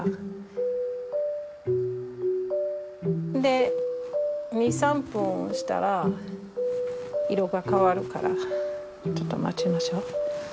で２３分蒸したら色が変わるからちょっと待ちましょう。